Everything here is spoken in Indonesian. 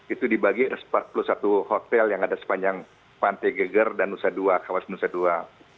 itu dibagi atas empat puluh satu hotel yang ada sepanjang pantai geger dan nusa dua kawasan nusa dua